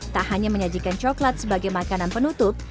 tak hanya menyajikan coklat sebagai makanan penutup